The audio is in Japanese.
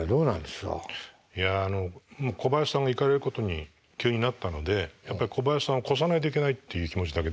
いや小林さんが行かれることに急になったのでやっぱり小林さんを超さないといけないという気持ちだけでした。